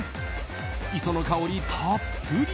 磯の香りたっぷり！